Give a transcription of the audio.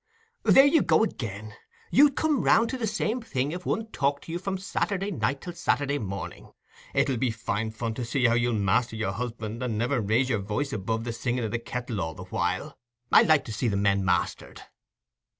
"There you go again! You'd come round to the same thing if one talked to you from Saturday night till Saturday morning. It'll be fine fun to see how you'll master your husband and never raise your voice above the singing o' the kettle all the while. I like to see the men mastered!"